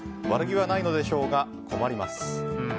悪気はないのでしょうが困ります。